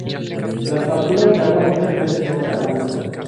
Las facturas de agua muchas veces no se abonan.